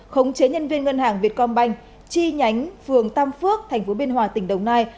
khống chế nhân viên ngân hàng vietcombank chi nhánh phường tam phước thành phố biên hòa tỉnh đồng nai